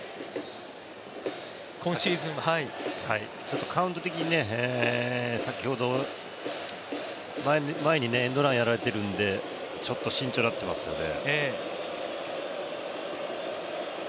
ちょっとカウント的に、先ほど前にエンドランやられてるので、ちょっと慎重になっていますよね。